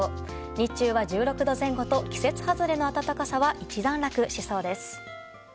日中は１６度前後と季節外れの暖かさは一段落しそうです。